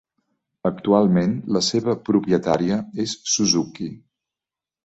Actualment, la seva propietària és Suzuki.